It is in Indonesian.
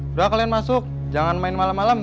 sudah kalian masuk jangan main malam malam